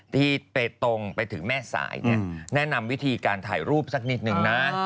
ที่ไปตรงไปถึงแม่สายเนี่ยแนะนำวิธีการถ่ายรูปสักนิดนึงนะ